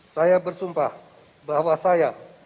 saya bersumpah bahwa saya